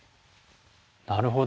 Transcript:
なるほど。